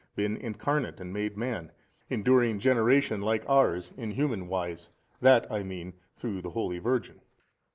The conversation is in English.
been Incarnate and made man, enduring generation like ours in human wise, that I mean through the holy Virgin.